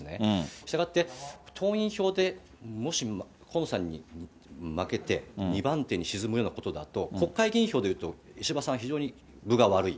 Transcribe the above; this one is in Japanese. したがって、党員票でもし河野さんに負けて、２番手に沈むようなことだと、国会議員票でいうと、石破さんは非常に分が悪い。